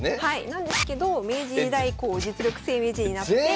なんですけど明治時代以降実力制名人になって。